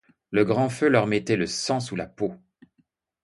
Le grand feu leur mettait le sang sous la peau.